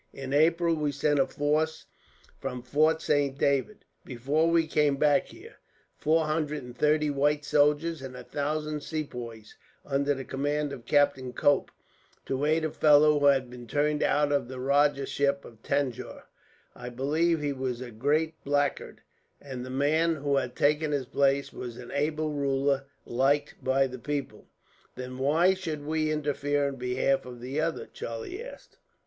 In April we sent a force from Fort Saint David before we came back here four hundred and thirty white soldiers and a thousand Sepoys, under the command of Captain Cope, to aid a fellow who had been turned out of the Rajahship of Tanjore. I believe he was a great blackguard, and the man who had taken his place was an able ruler liked by the people." "Then why should we interfere on behalf of the other?" Charlie asked.